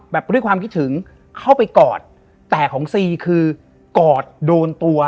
ด้วยความคิดถึงเข้าไปกอดแต่ของซีคือกอดโดนตัว